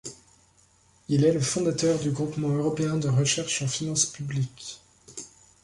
Il est le fondateur du Groupement européen de recherches en finances publiques.